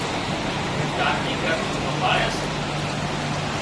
ڪاچِي گھر همڀاۯي سي